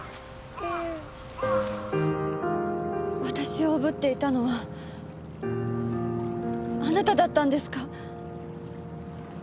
私をおぶっていたのはあなただったんですか？